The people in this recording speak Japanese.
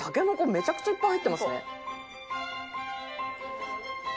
めちゃくちゃいっぱい入ってますね。